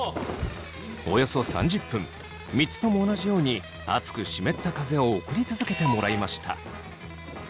およそ３０分３つとも同じように熱く湿った風を送り続けてもらいました。